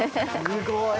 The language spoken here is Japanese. すごい！